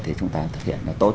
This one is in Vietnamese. thì chúng ta thực hiện nó tốt